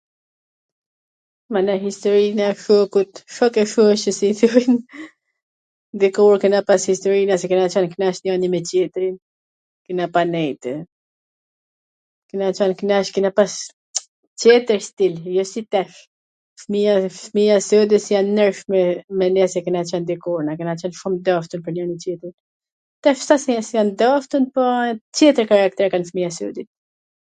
Mana historin e shokut, shok e shoqe si i thojn, dikur kena pas historina se kena qwn t knaq njani me tjetrin, ken apanejt.. kena qwn knaq, kena pas qetwr stil, jo si tash, fmija e sodit jan ndryshe me ne si kena qwn dikur, ne kena qwn shum t dashtun pwr njwrim tjetrin, tash s asht se s jan t dashtun, po tjetwr karakter kan fmija e sodit.